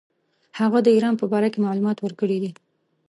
هغه د ایران په باره کې معلومات ورکړي دي.